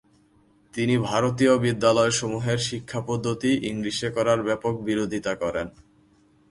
তিনি ভারতীয় বিদ্যালয়সমূহের শিক্ষাপদ্ধতি ইংলিশে করার ব্যাপক বিরোধিতা করেন।